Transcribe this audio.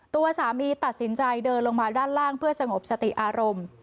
ตัวสามีตัดสินใจเดินลงมาด้านล่างเพื่อสงบสติอารมณ์